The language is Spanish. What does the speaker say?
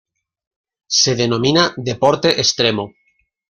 Se denomina deporte extremo.